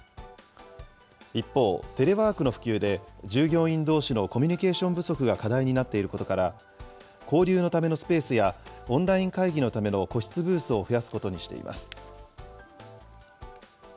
一方、テレワークの普及で従業員どうしのコミュニケーション不足が課題になっていることから、交流のためのスペースや、オンライン会議のための個室ブースを増やすことにしています。